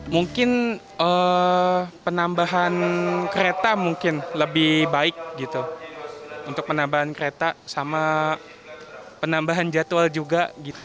mungkin penambahan kereta mungkin lebih baik untuk penambahan kereta sama penambahan jadwal juga